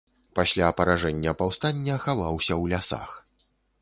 Пасля паражэння паўстання хаваўся ў лясах.